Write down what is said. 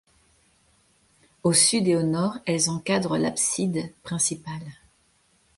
Au sud et au nord, elles encadrent l'abside principale.